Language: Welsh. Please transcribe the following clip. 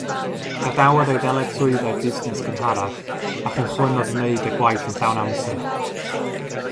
Gadawodd ei ddyletswyddau busnes cynharach a chychwynnodd wneud y gwaith yn llawn amser.